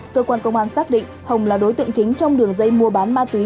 cơ quan công an xác định hồng là đối tượng chính trong đường dây mua bán ma túy